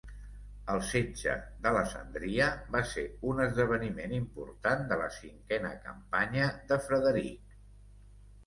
El setge d'Alessandria va ser un esdeveniment important de la cinquena campanya de Frederic.